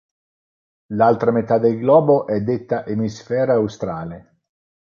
L'altra metà del globo è detta emisfero australe.